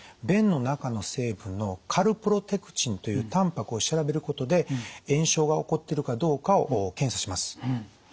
便の中の成分のカルプロテクチンというたんぱくを調べることで炎症が起こってるかどうかを検査します。